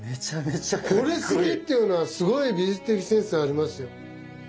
これ好きっていうのはすごい美術的センスありますよ。